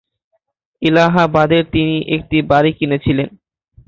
এলাহাবাদে তিনি একটি বাড়ি কিনেছিলেন।